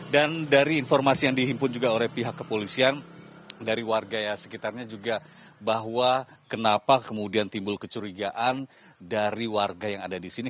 dan dari informasi yang dihimpun juga oleh pihak kepolisian dari warga sekitarnya juga bahwa kenapa kemudian timbul kecurigaan dari warga yang ada di sini